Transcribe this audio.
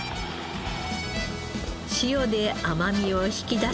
塩で甘みを引き出し